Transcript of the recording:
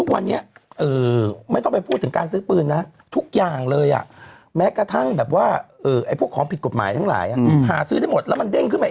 ว่าเออไอ้พวกของผิดกฎหมายทั้งหลายอืมหาซื้อได้หมดแล้วมันเด้งขึ้นมา